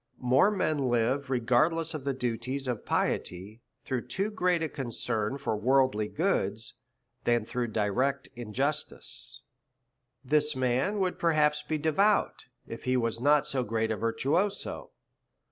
More men live re gardless of the great duties of piety, through too great a concern for worldly goods, than through direct in justice. This man would perhaps be devout, if he was not so great a virtuoso.